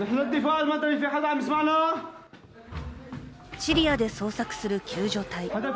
シリアで捜索する救助隊。